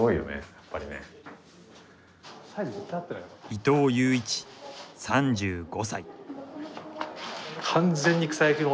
伊藤悠一３５歳。